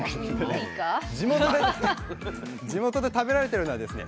地元で食べられてるのはですね